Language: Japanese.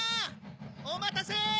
おまたせ！